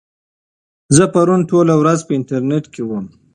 زه پرون ټوله ورځ په انټرنيټ کې وم.